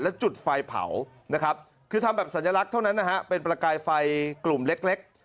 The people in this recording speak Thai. แล้วจุดไฟเผานะครับคือทำแบบสัญลักษณ์เท่านั้นนะฮะเป็นประกายไฟกลุ่มเล็ก